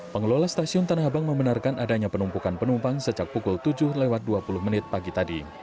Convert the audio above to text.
pengelola stasiun tanah abang membenarkan adanya penumpukan penumpang sejak pukul tujuh lewat dua puluh menit pagi tadi